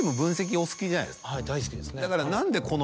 はい大好きですね。